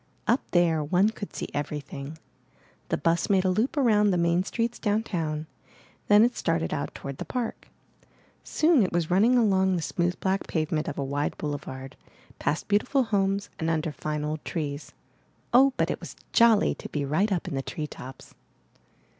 Up there one could see everything. The bus made a loop around the main streets downtown; then it started out toward the park. Soon it was running along the smooth black pavement of a wide boule 413 MY BOOK HOUSE vard, past beautiful homes and under fine old trees. Oh! but it was jolly to be right up in the treetops!